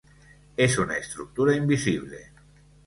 Es una estructura invisible.